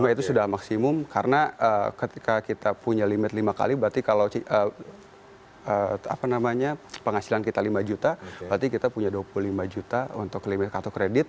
lima itu sudah maksimum karena ketika kita punya limit lima kali berarti kalau penghasilan kita lima juta berarti kita punya dua puluh lima juta untuk kartu kredit